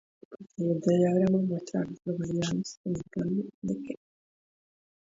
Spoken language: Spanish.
El siguiente diagrama muestra a las localidades en un radio de de Kelly.